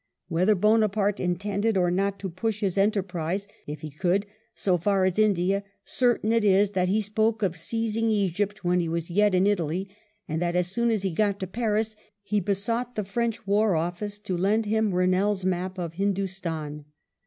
Whether Bonaparte intended or not to push his enterprise, if he could, so far as India, certain it is that he spoke of seizing Egypt when he was yet in Italy, and that as soon as he got to Paris he besought the French War Ofiice to lend him Eennel's map of Hindustan.